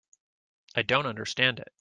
I don't understand it.